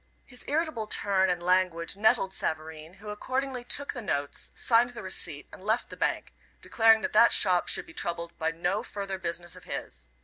His irritable turn and language nettled Savareen, who accordingly took the notes, signed the receipt and left the bank, declaring that "that shop" should be troubled by no further business of his.